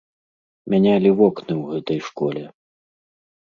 Мянялі вокны ў гэтай школе.